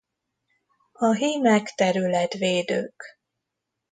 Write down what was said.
A hímek területvédők.